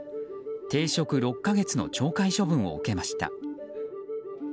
停職６か月の懲戒処分を受けました。